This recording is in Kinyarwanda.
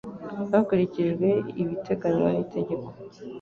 Hakurikijwe ibiteganywa n itegeko